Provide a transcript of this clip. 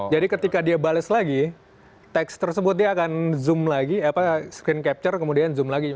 jadi ketika dia bales lagi teks tersebut dia akan zoom lagi screen capture kemudian zoom lagi